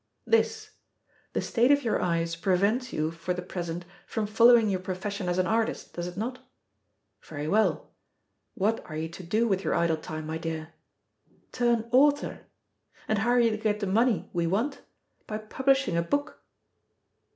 "This: The state of your eyes prevents you for the present from following your profession as an artist, does it not? Very well. What are you to do with your idle time, my dear? Turn author! And how are you to get the money we want? By publishing a book!"